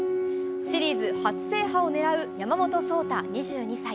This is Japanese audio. シリーズ初制覇を狙う山本草太２２歳。